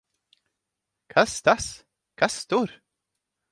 Kas tas! Kas tur!